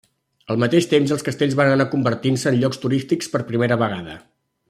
Al mateix temps els castells van anar convertint-se en llocs turístics per primera vegada.